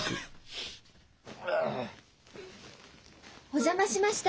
お邪魔しました。